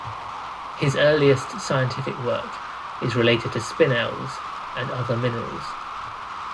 His earliest scientific work is related to spinels and other minerals.